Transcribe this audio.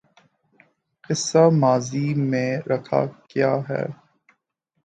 قصہ ماضی میں رکھا کیا ہے